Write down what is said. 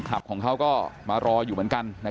คลับของเขาก็มารออยู่เหมือนกันนะครับ